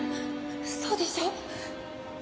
そうでしょう？